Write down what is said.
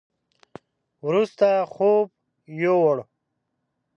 وروسته خوب يوووړ.